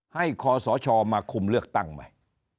ให้คสมาคุมเลือกตั้งไหม